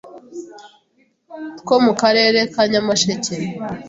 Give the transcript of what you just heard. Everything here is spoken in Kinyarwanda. two mu karere ka Nyamasheke